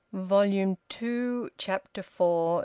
VOLUME TWO, CHAPTER FOUR.